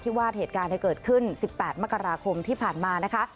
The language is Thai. ว่าเหตุการณ์เกิดขึ้น๑๘มกราคมที่ผ่านมานะคะ